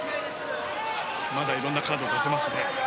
まだいろんなカードを出せますね。